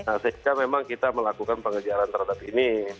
nah sehingga memang kita melakukan pengejaran terhadap ini